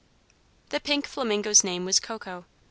The pink flamingo's name was Coco.